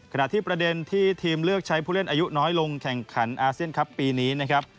ขณะที่ประเด็นที่ทีมเลือกใช้ผู้เล่นอายุน้อยลงแข่งขันอาเซียนครับปีนี้นะครับ